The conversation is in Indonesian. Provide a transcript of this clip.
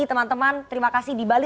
teman teman terima kasih di bali